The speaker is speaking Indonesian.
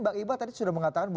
mbak iba tadi sudah mengatakan